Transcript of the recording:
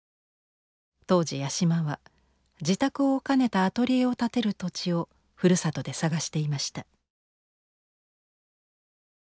当時八島は自宅を兼ねたアトリエを建てる土地をふるさとで探していました。